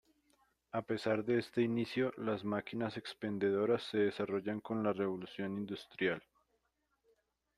A pesar de este inicio, las máquinas expendedoras se desarrollan con la Revolución industrial.